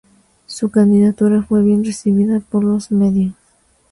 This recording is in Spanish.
Su candidatura fue bien recibida por los medios.